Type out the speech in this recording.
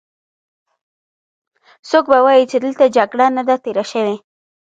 څوک به وايې چې دلته جګړه نه ده تېره شوې.